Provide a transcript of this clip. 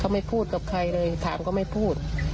ไม่พูดกับใครเลยถามก็ไม่พูด